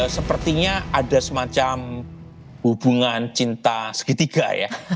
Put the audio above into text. sepertinya ada semacam hubungan cinta segitiga ya